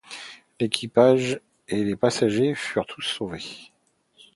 L'équipage et les passagers furent tous sauvés.